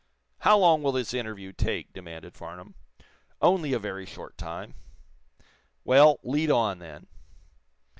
"How long will this interview take?" demanded Farnum. "Only a very short time." "Well, lead on, then."